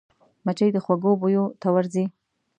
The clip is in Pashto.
مچمچۍ د خوږو بویو ته ورځي